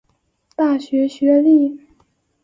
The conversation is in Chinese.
大学学历。